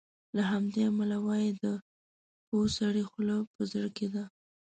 له همدې امله وایي د پوه سړي خوله په زړه کې ده.